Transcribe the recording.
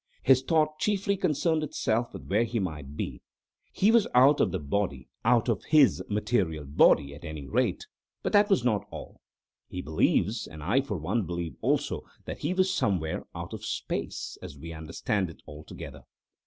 His thought chiefly concerned itself with where he might be. He was out of the body—out of his material body, at any rate—but that was not all. He believes, and I for one believe also, that he was somewhere out of space, as we understand it, altogether.